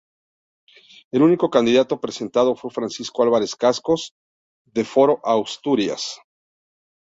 El único candidato presentado fue Francisco Álvarez-Cascos, de Foro Asturias.